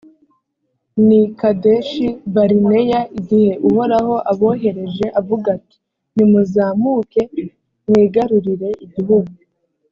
n’i kadeshi-barineya, igihe uhoraho abohereje avuga ati «nimuzamuke, mwigarurire igihugu